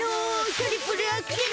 トリプルアクセル！